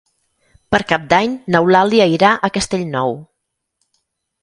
Per Cap d'Any n'Eulàlia irà a Castellnou.